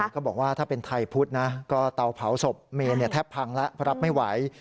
ก็บอกว่าถ้าเป็นไทยพุทธนะก็เตาเผาศพเมนแทบพังแล้วรับไม่ไหว